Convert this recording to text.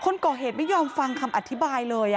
คนก่อเหตุไม่ยอมฟังคำอธิบายเลย